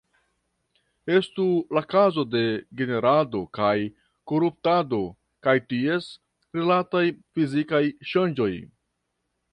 Estu la kazo de generado kaj koruptado kaj ties rilataj fizikaj ŝanĝoj.